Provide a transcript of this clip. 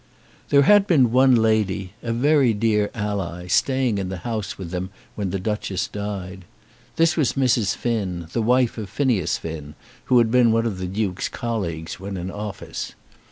There had been one lady, a very dear ally, staying in the house with them when the Duchess died. This was Mrs. Finn, the wife of Phineas Finn, who had been one of the Duke's colleagues when in office.